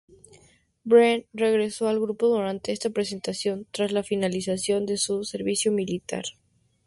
Brent regresó al grupo durante esta presentación, tras la finalización de su servicio militar.